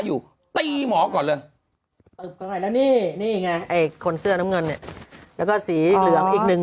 อยู่ตีหมอก่อนเลยตบก่อนแล้วนี่นี่ไงไอ้คนเสื้อน้ำเงินเนี่ยแล้วก็สีเหลืองอีกหนึ่ง